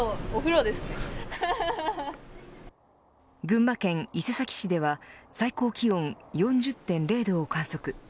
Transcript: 群馬県伊勢崎市では最高気温４０．０度を観測。